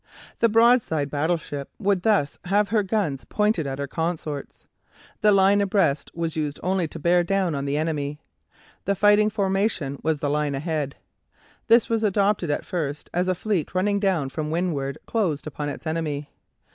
The broadside battleship would thus have her guns pointed at her consorts. The line abreast was used only to bear down on the enemy. The fighting formation was the line ahead. This was adopted at first as a fleet running down from windward closed upon its enemy.